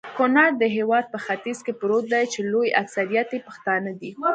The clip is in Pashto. کونړ د هيواد په ختیځ کي پروت دي.چي لوي اکثريت يي پښتانه دي